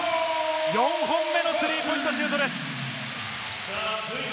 ４本目のスリーポイントシュートです。